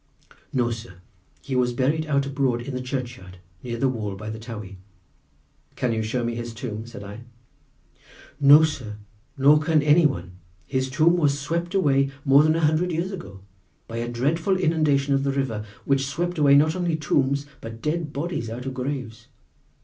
"No, sir, he was buried out abroad in the churchyard, near the wall by the Towey." "Can you show me his tomb?" said I. "No, sir, nor can any one; his tomb was swept away more than a hundred years ago by a dreadful inundation of the river, which swept away not only tombs but dead bodies out of graves.